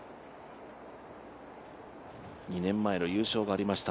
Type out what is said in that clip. ２年前の優勝がありました。